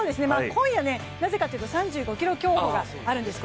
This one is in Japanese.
今夜、なぜかというと３５ｋｍ競歩があるんです。